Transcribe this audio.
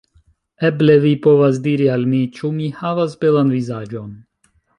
Eble vi povas diri al mi: ĉu mi havas belan vizaĝon?